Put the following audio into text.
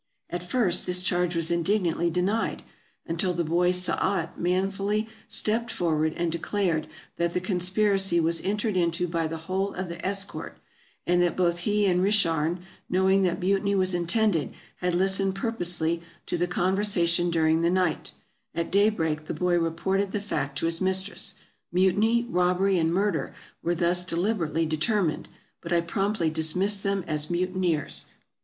'' At first this charge was indignantly denied, until the boy Saat manfully stepped forward and declared that the conspiracy was en tered into by the whole of the escort, and that both he and Richarn, knowing that mutiny was intended, had listened purposely to the conversation during the night ; at daybreak the boy reported the fact to his mistress. Mutiny, robbery, and murder were thus deliberately determined, but I promptly dismissed them as mutineers.